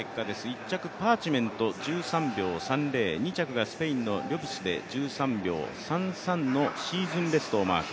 １着パーチメント、１３秒３０、２着がスペインのリョピスで１３．３３のシーズンベストをマーク。